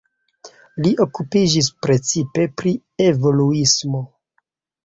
Li okupiĝis precipe pri evoluismo.